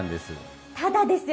ただですよ